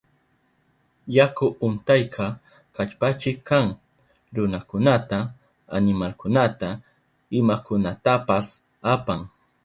Yaku untayka kallpachik kan, runakunata, animalkunata, imakunatapas apan.